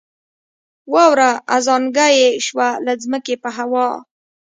واوره ازانګه یې شوه له ځمکې په هوا